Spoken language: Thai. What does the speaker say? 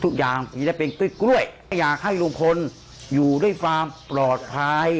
ทุกอย่างจะได้เป็นกล้วยอยากให้ลุงพลอยู่ด้วยความปลอดภัย